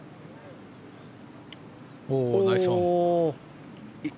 ナイスオン。